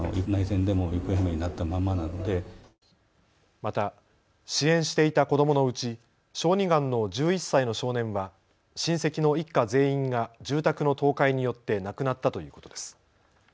また支援していた子どものうち小児がんの１１歳の少年は親戚の一家全員が住宅の倒壊によって亡くなったということです。